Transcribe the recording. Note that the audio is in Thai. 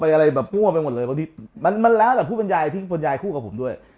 ไปอะไรแบบอว่าแบบหมดเลยมันมันแล้วแต่ผู้บรรยายครูกับผมด้วย